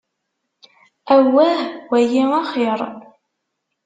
Awah, wayi axir.